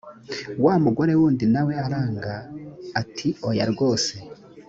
wa mugore wundi na we aranga ati oya rwose